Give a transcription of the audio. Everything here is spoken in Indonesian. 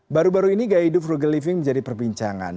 baru baru ini gaya hidup frugal living menjadi perbincangan